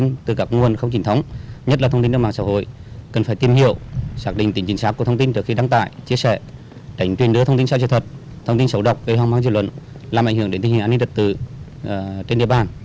nguồn không trình thống nhất là thông tin đăng mạng xã hội cần phải tìm hiểu xác định tính chính xác của thông tin từ khi đăng tải chia sẻ đánh tuyên đưa thông tin xa truyền thuật thông tin xấu độc gây hoang mang dư luận làm ảnh hưởng đến tình hình an ninh đật tử trên địa bàn